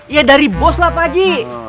iya dari bos lah pak haji